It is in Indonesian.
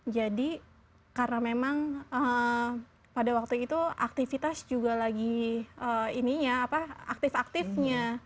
jadi karena memang pada waktu itu aktivitas juga lagi aktif aktifnya